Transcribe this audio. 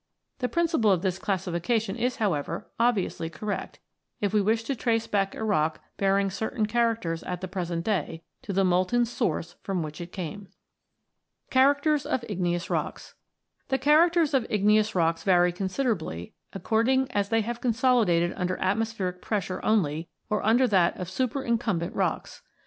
The principle of this classification is, however, obviously correct, if we wish to trace back a rock bearing certain characters at the present day to the molten source from which it came. CHARACTERS OF IGNEOUS ROCKS The characters of igneous rocks vary considerably according as they have consolidated under atmos pheric pressure only, or under that of superincumbent rocks.